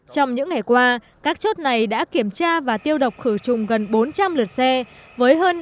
trong những ngày qua các chốt này đã kiểm tra và tiêu độc khử trùng gần bốn trăm linh lượt xe với hơn ba mươi con lợn